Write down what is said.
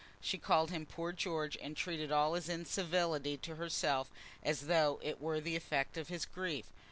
She called him "poor George," and treated all his incivility to herself as though it were the effect of his grief.